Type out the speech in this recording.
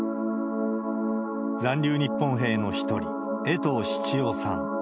残留日本兵の一人、衛藤七男さん。